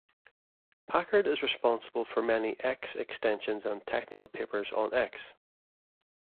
Packard is responsible for many X extensions and technical papers on X.